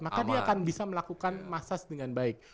maka dia akan bisa melakukan masas dengan baik